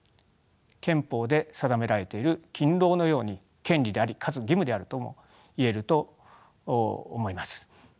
憲法で定められている勤労のように権利でありかつ義務であるとも言えると思います。